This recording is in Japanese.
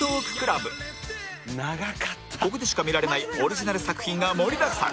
ここでしか見られないオリジナル作品が盛りだくさん